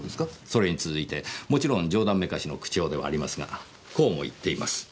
それに続いてもちろん冗談めかしの口調ではありますがこうも言っています。